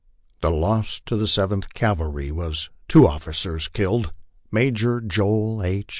The loss to the Seventh Cavalry was two officers killed, Major Joel H.